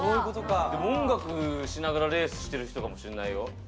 でも音楽しながらレースしてる人かもしれないよ。